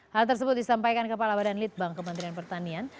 hal tersebut disampaikan kepala badan litbang kementerian pertanian